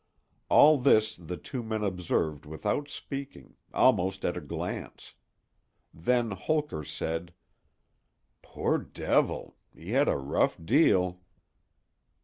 All this the two men observed without speaking—almost at a glance. Then Holker said: "Poor devil! he had a rough deal."